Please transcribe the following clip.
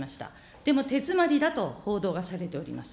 でも手詰まりだと報道がされております。